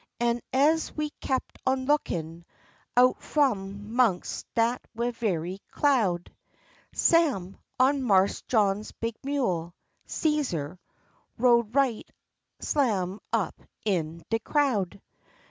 An' ez we kep' on a lookin', out f'om 'mongst dat ve'y cloud, Sam, on Marse John's big mule, Cæsar, rode right slam up in de crowd.